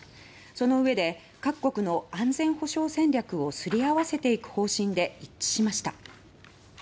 その上で各国の安全保障戦略をすり合わせていく方針で一致しました。